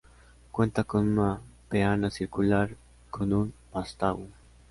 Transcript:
Cuenta con una peana circular con un vástago.